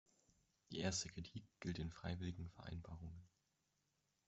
Die erste Kritik gilt den freiwilligen Vereinbarungen.